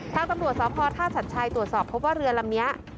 ถ้ากับกรรมตรวจสอบพอธาตุชัดใช้ตรวจสอบเพราะเรือแหละมิ้า